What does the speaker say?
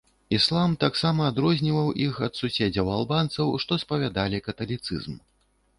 Іслам таксама адрозніваў іх ад суседзяў-албанцаў, што спавядалі каталіцызм.